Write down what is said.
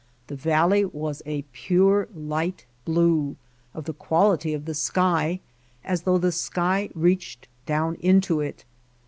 The valley was a pure, light blue, of the quality of the sky, as though the sky reached down into it.